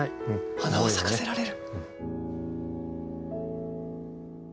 花は咲かせられる。